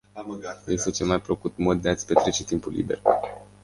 Este cel mai plăcut mod de ați petrece timpul liber.